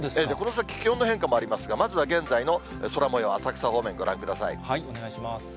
この先、気温の変化もありますが、まずは現在の空もよう、浅草方面、ご覧ください。